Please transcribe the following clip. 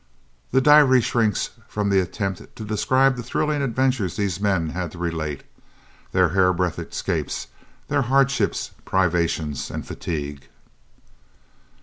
The diary shrinks from the attempt to describe the thrilling adventures these men had to relate, their hairbreadth escapes, their hardships, privations, and fatigue.